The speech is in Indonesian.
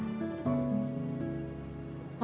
aku mau ke rumah